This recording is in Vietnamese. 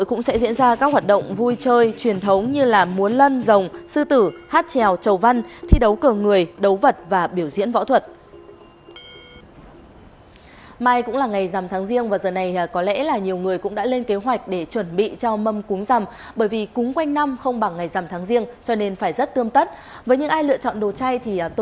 cũng sẽ càng sướng càng tốt được đón con về với gia đình mình